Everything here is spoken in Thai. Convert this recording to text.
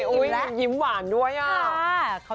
เล่นยิ้มหวานด้วยอ่ะ